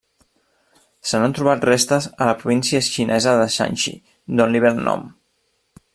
Se n'han trobat restes a la província xinesa de Shanxi, d'on li ve el nom.